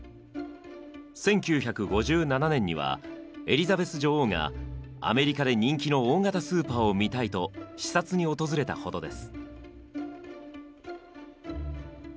１９５７年にはエリザベス女王がアメリカで人気の大型スーパーを見たいと視察に訪れたほどです。